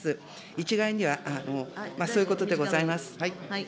一概には、そういうことでございます。